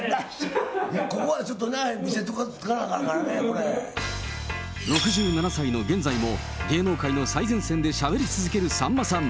ここはちょっと６７歳の現在も、芸能界の最前線でしゃべり続けるさんまさん。